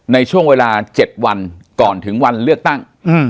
ในช่วงเวลา๗วันก่อนถึงวันเลือกตั้ง